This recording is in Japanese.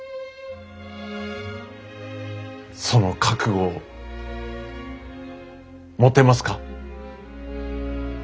その覚悟を持てますか？